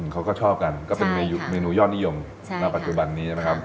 เขาก็ชอบกันก็เป็นเมนูยอดนิยมณปัจจุบันนี้ใช่ไหมครับ